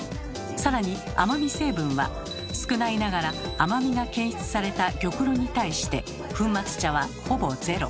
更に甘み成分は少ないながら甘みが検出された玉露に対して粉末茶はほぼゼロ。